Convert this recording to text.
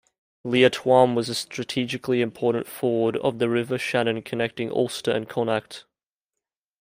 Liatroim was a strategically important ford of the River Shannon connecting Ulster and Connacht.